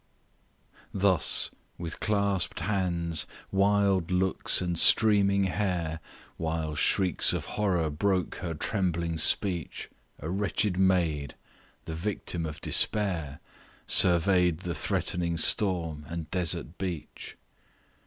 " Thus with clasp'd hands, wild looks, and streaming hair, While shrieks of horror broke her trembling speech, A wretched maid the victim of despair, Survey'd the threatening storm and desert beech.